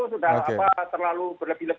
sudah terlalu berlebihan